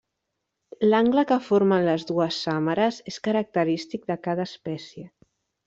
L'angle que formen les dues sàmares és característic de cada espècie.